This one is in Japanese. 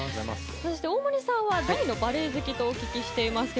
大森さんは大のバレー好きとお聞きしていますが。